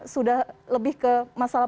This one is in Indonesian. sudah lebih ke masalah